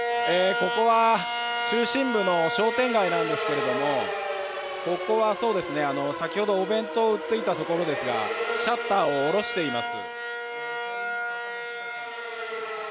ここは中心部の商店街なんですけれどもここは先ほどお弁当を売っていたところですがシャッターを下ろしています。